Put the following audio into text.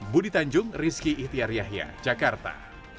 budi tanjung rizky ihtiar yahya jakarta